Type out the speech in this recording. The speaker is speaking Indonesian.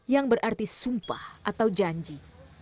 yang berarti sumpah atau janji